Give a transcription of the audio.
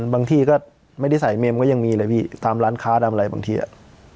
บางทีก็ไม่ได้ใส่เมมก็ยังมีเลยพี่ตามร้านค้าตามอะไรบางทีอ่ะ